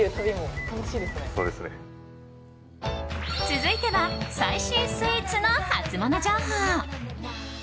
続いては最新スイーツのハツモノ情報。